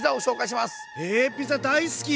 えピザ大好き！